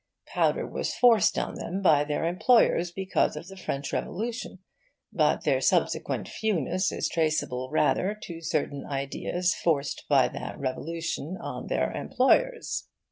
Powder was forced on them by their employers because of the French Revolution, but their subsequent fewness is traceable rather to certain ideas forced by that Revolution on their employers.